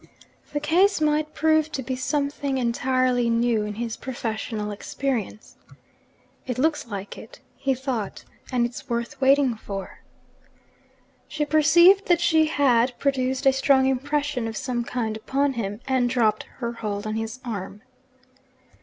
The case might prove to be something entirely new in his professional experience. 'It looks like it,' he thought; 'and it's worth waiting for.' She perceived that she had produced a strong impression of some kind upon him, and dropped her hold on his arm.